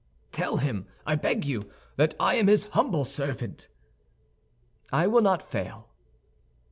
"Tell him, I beg you, that I am his humble servant." "I will not fail."